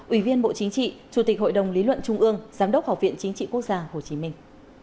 ủy viên bộ chính trị chủ tịch hội đồng lý luận trung ương giám đốc học viện chính trị quốc gia hồ chí minh